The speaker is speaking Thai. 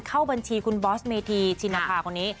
เข้าบัญชีคุณบอสเมธีชินภาคนนี้